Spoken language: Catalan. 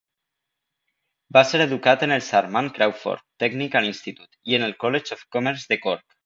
Va ser educat en el Sharman Crawford Technical Institute i en el College of Commerce de Cork.